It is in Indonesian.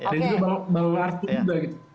dan juga bang arti juga gitu